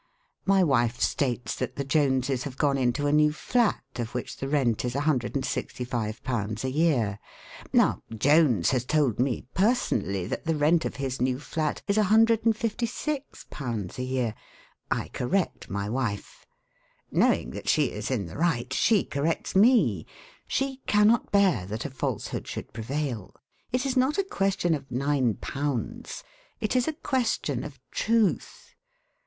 My wife states that the Joneses have gone into a new flat, of which the rent is £165 a year. Now, Jones has told me personally that the rent of his new flat is £156 a year. I correct my wife. Knowing that she is in the right, she corrects me. She cannot bear that a falsehood should prevail. It is not a question of £9, it is a question of truth.